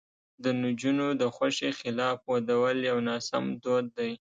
د نجونو د خوښې خلاف ودول یو ناسم دود دی.